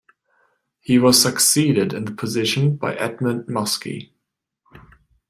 He was succeeded in the position by Edmund Muskie.